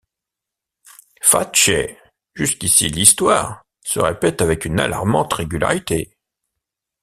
Fatche, jusqu’ici l’Histoire se répète avec une alarmante régularité !